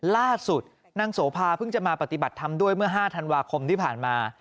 ล่าสุดนางโสภาเพิ่งจะมาปฏิบัติธรรมด้วยเมื่อ๕ธันวาคมที่ผ่านมา